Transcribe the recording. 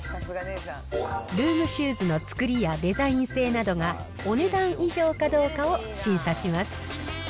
ルームシューズの作りやデザイン性などがお値段以上かどうかを審査します。